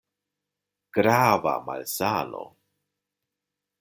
Grava malsano!